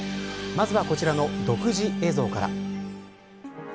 まずはこちらの独自映像から。